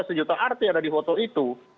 sejuta arti ada di foto itu